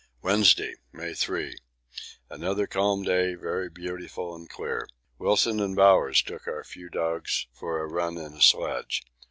Wednesday, May 3. Another calm day, very beautiful and clear. Wilson and Bowers took our few dogs for a run in a sledge.